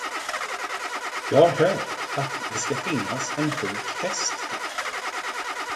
Jag har hört, att det ska finnas en sjuk häst här.